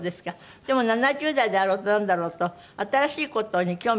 でも７０代であろうとなんだろうと新しい事に興味津々でねああいう風に。